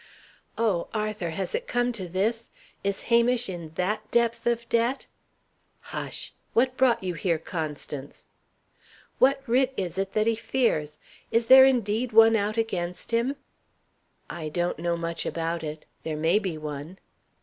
"Oh, Arthur, has it come to this? Is Hamish in that depth of debt!" "Hush! What brought you here, Constance?" "What writ is it that he fears? Is there indeed one out against him?" "I don't know much about it. There may be one."